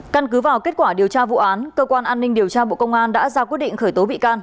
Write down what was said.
căn cứ vào kết quả điều tra vụ án cơ quan an ninh điều tra bộ công an đã ra quyết định khởi tố bị can